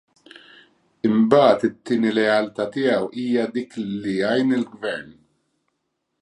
Imbagħad it-tieni lealtà tiegħu hija dik illi jgħin lill-Gvern.